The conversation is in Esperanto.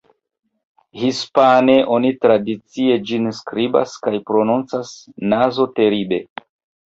Hispane, oni tradicie ĝin skribas kaj prononcas "Nazo-Teribe".